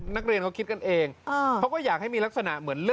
นี่ครับถึง๔พักเจอพักเรา๓คนเหมือนไหม